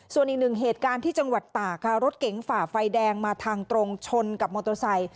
ส่วนอีกหนึ่งเหตุการณ์ที่จังหวัดตากค่ะรถเก๋งฝ่าไฟแดงมาทางตรงชนกับมอเตอร์ไซค์